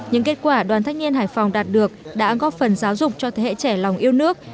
những kết quả đoàn thanh niên hải phòng đạt được đã góp phần giáo dục cho thế hệ trẻ lòng yêu nước